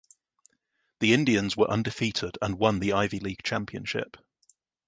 The Indians were undefeated and won the Ivy League championship.